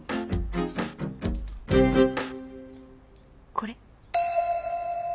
これ？